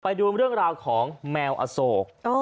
ไปดูเรื่องราวของแมวอโศก